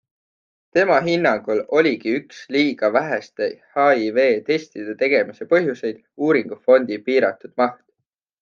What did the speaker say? Tema hinnangul oligi üks liiga väheste HIV-testide tegemise põhjuseid uuringufondi piiratud maht.